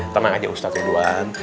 tenang aja ustadz ya doan